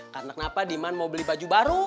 karena kenapa diman mau beli baju baru